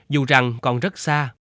dù rằng còn rất xa